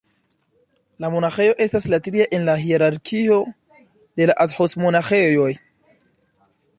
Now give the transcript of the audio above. La monaĥejo estas la tria en la hierarkio de la Athos-monaĥejoj.